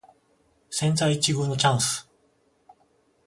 千載一遇のチャンス